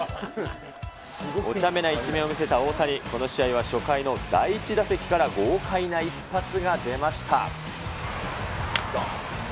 おちゃめな一面を見せた大谷、この試合は初回の第１打席から豪快な一発が出ました。